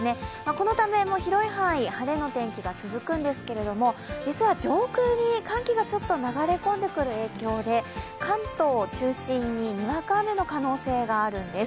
このため、広い範囲晴れの天気が続くんですけれども、実は上空に寒気がちょっと流れ込んでくる影響で関東を中心に、にわか雨の可能性があるんです。